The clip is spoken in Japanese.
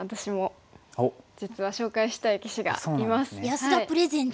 安田プレゼンツ。